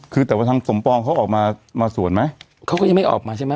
คือแต่ว่าทางสมปองเขาออกมามาสวนไหมเขาก็ยังไม่ออกมาใช่ไหม